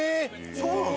そうなの？